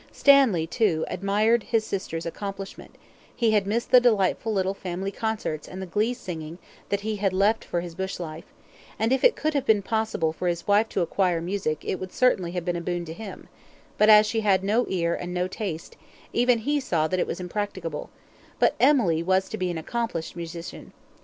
Stanley, too, admired his sister's accomplishment; he had missed the delightful little family concerts and the glee singing that he had left for his bush life, and if it could have been possible for his wife to acquire music it would certainly have been a boon to him; but as she had no ear and no taste, even he saw that it was impracticable; but Emily was to be an accomplished musician.